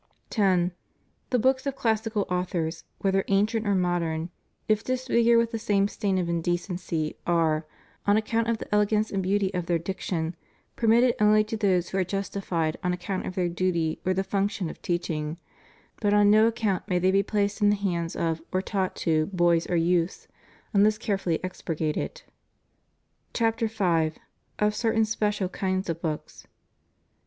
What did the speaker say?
10. The books of classical authors, whether ancient or modem, if disfigured with the same stain of indecency, are, on account of the elegance and beauty of their dic tion, permitted only to those who are justified on account of their duty or the function of teaching; but on no ac count may they be placed in the hands of, or taught to, boys or youths, unless carefully expurgated. CHAPTER V. Of Certain Special Kinds of Books.